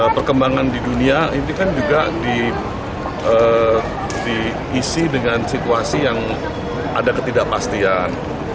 perkembangan di dunia ini kan juga diisi dengan situasi yang ada ketidakpastian